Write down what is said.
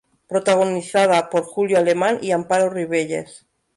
Protagonizada por Julio Alemán y Amparo Rivelles.